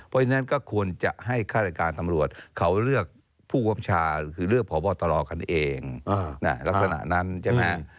เพราะฉะนั้นก็ควรจะให้ฆาตการตำรวจเขาเลือกผู้กำชาคือเลือกพบตรกันเองลักษณะนั้นใช่ไหมฮะ